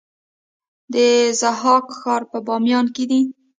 د ضحاک ښار په بامیان کې دی